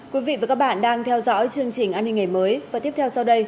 quý vị và các bạn đang theo dõi chương trình an ninh ngày mới và tiếp theo sau đây